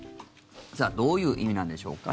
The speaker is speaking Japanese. どういう意味なんでしょうか。